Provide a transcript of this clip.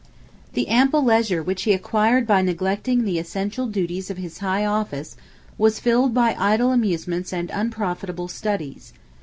The ample leisure which he acquired by neglecting the essential duties of his high office, was filled by idle amusements and unprofitable studies.